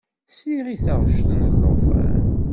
Sliɣ i taɣect n ulufan.